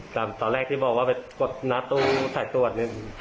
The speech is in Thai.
ตอนแรกที่บอกว่าไปกดน้าตู้เสดตรวด